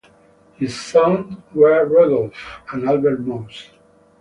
His sons were Rudolf and Albert Mosse.